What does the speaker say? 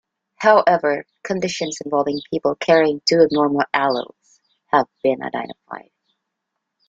However, conditions involving people carrying two abnormal alleles have been identified.